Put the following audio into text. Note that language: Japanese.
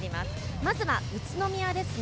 まずは宇都宮ですね。